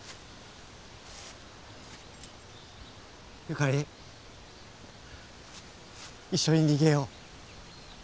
由香利一緒に逃げよう。